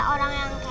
kurang keras apa ya